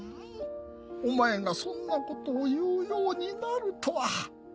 お前がそんなことを言うようになるとは。